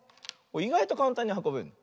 いがいとかんたんにはこべるの。